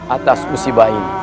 atas usibah ini